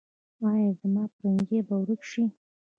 ایا زما پرنجی به ورک شي؟